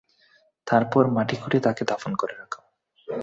তারপর মাটি খুঁড়ে তাকে দাফন করে রাখে।